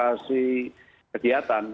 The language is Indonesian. dan juga aplikasi kegiatan